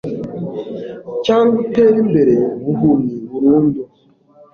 Cyangwa utere imbere buhumyi burundu